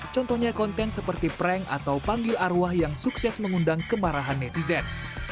contohnya konten seperti prank atau panggil arwah yang sukses mengundang kemarahan netizen